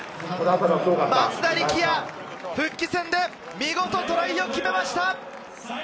松田力也、復帰戦で見事、トライを決めました！